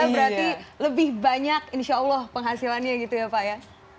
berarti lebih banyak insya allah penghasilannya gitu ya pak ya